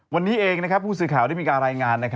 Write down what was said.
วันนี้เองผู้สื่อข่าวได้มีการรายงาน